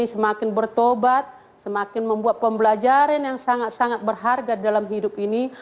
semakin bertobat semakin membuat pembelajaran yang sangat sangat berharga dalam hidup ini